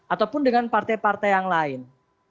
ataupun dengan partai partai yang lain